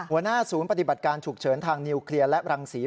หัวหน้าศูนย์ปฏิบัติการฉุกเฉินทางนิวเคลียร์และรังศรี